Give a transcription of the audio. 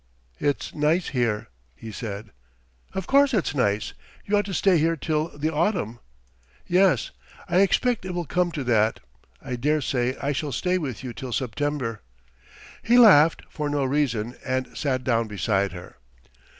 "It's nice here," he said. "Of course it's nice, you ought to stay here till the autumn." "Yes, I expect it will come to that. I dare say I shall stay with you till September." He laughed for no reason, and sat down beside her.